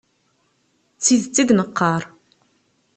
D tidet i d-neqqar.